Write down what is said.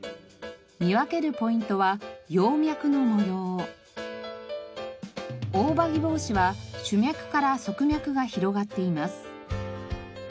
見分けるポイントはオオバギボウシは主脈から側脈が広がっています。